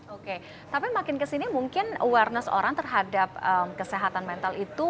oke tapi makin kesini mungkin awareness orang terhadap kesehatan mental itu